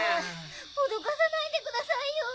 おどかさないでくださいよ。